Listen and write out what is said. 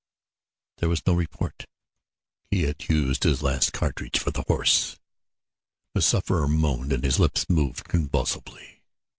There was no report. He had used his last cartridge for the horse. The sufferer moaned and his lips moved convulsively.